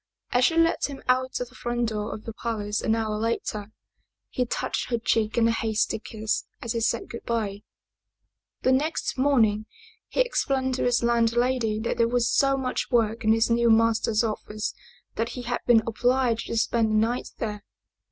As she let him out of the front door of the palace an hour later, he touched her cheek in a hasty kiss as he said good by. The next morning, he explained to his landlady that there was so much work in his new master's office that he had been obliged to spend the night there.